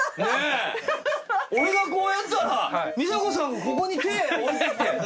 俺がこうやったら美佐子さんがここに手置いてきて。